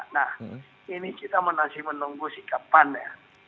nah ini kita masih menunggu sikap pan ya